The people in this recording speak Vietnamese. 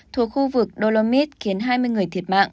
thuộc khu vực domis khiến hai mươi người thiệt mạng